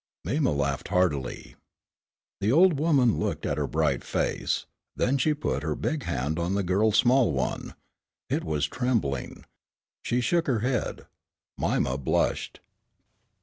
Mima laughed heartily. The old woman looked at her bright face. Then she put her big hand on the girl's small one. It was trembling. She shook her head. Mima blushed.